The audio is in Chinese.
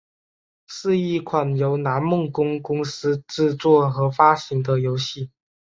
是一款由南梦宫公司制作和发行的游戏。